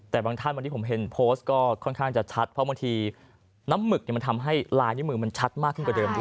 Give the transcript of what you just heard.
แต่บางท่านวันนี้ผมเห็นโพสต์ก็ค่อนข้างจะชัดเพราะบางทีน้ำหมึกมันทำให้ลายนิ้วมือมันชัดมากขึ้นกว่าเดิมด้วย